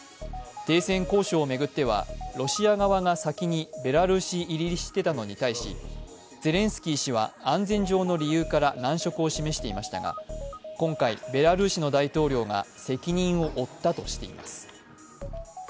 停戦交渉を巡ってはロシア側が先にベラルーシ入りしていたのに対しゼレンスキー氏は安全上の理由から難色を示していましたが今回、ベラルーシの大統領が責任を負ったとしています。